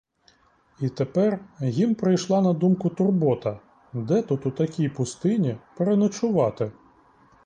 І тепер їм прийшла на думку турбота, де тут, у такій пустині, переночувати?